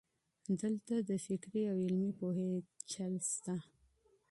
دلته د نظري او عملي پوهې ترکیب سته.